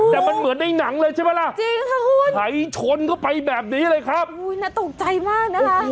แต่มันเหมือนในหนังเลยใช่ไหมล่ะใครชนก็ไปแบบนี้เลยครับโอ้โหน่าตกใจมากนะฮะ